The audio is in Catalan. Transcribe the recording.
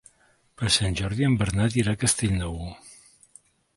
Per Sant Jordi en Bernat irà a Castellnou.